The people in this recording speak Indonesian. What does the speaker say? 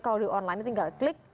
kalau di online ini tinggal klik